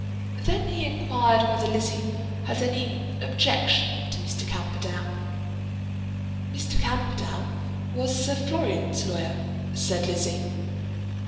Then he inquired whether Lizzie had any objection to Mr. Camperdown. "Mr. Camperdown was Sir Florian's lawyer," said Lizzie.